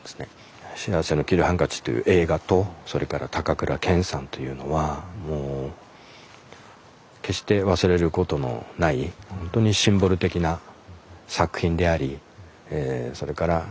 「幸福の黄色いハンカチ」という映画とそれから高倉健さんというのはもう決して忘れることのないほんとにシンボル的な作品でありそれから俳優さん。